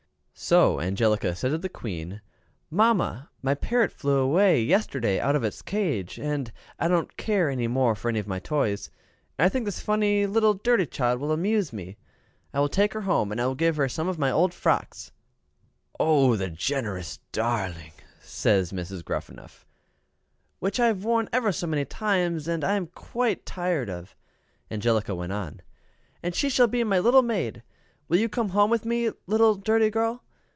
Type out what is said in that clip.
So Angelica said to the Queen, "Mamma, my parrot flew away yesterday out of its cage, and I don't care any more for any of my toys; and I think this funny little dirty child will amuse me. I will take her home, and give her some of my old frocks " "Oh, the generous darling!" says Gruffanuff. " Which I have worn ever so many times, and am quite tired of," Angelica went on; "and she shall be my little maid. Will you come home with me, little dirty girl?"